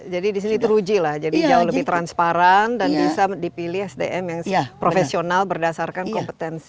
jadi di sini teruji lah jadi jauh lebih transparan dan bisa dipilih sdm yang profesional berdasarkan kompetensi